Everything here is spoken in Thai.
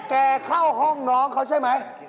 เข้าห้องน้องเขาใช่ไหม